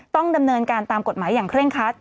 ต้องดำเนินการตามกฎหมายอย่างเคร่งคัด